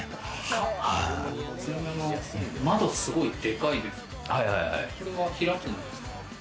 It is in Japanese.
まだすごいでかいですけれども、これは開くんですか？